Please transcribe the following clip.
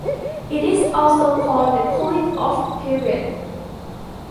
It is also called the cooling-off period.